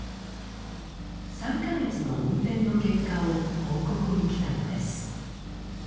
３か月間の運転の結果を報告に来たのです。